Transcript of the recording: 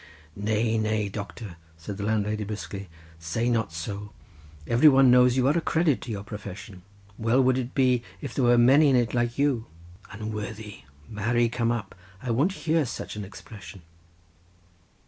"Nay, nay, doctor," said the landlady briskly; "say not so—every one knows that you are a credit to your profession—well would it be if there were many in it like you—unworthy? marry come up! I won't hear such an expression."